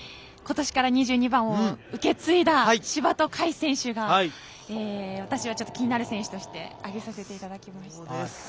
今年から２２番を受け継いだ柴戸海選手が私が気になる選手として挙げさせていただきました。